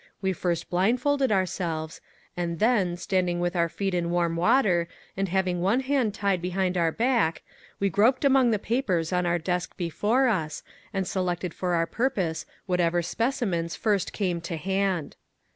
We first blindfolded ourselves and then, standing with our feet in warm water and having one hand tied behind our back, we groped among the papers on our desk before us and selected for our purpose whatever specimens first came to hand.